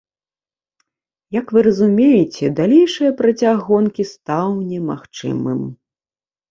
Як вы разумееце, далейшае працяг гонкі стаў немагчымым.